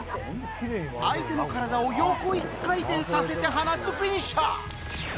相手の体を横１回転させて放つフィニッシャー